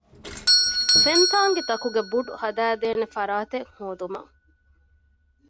ފެންތާނގީތަކުގެ ބުޑު ހަދައިދޭނެ ފަރާތެއް ހޯދުމަށް